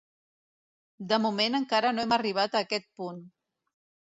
De moment encara no hem arribat a aquest punt.